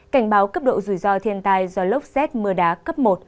cảnh báo cấp độ rủi ro thiên tai do lốc xét mưa đá cấp một